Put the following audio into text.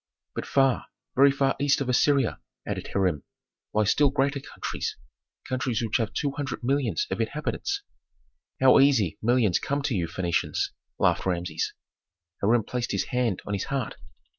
"But far, very far east of Assyria," added Hiram, "lie still greater countries countries which have two hundred millions of inhabitants." "How easy millions come to you Phœnicians," laughed Rameses. Hiram placed his hand on his heart.